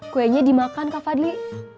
kuenya dimakan kak fadli